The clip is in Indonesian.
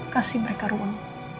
kasih mereka ruang